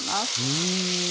うん。